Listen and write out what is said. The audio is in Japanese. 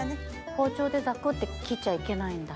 包丁でザクって切っちゃいけないんだ。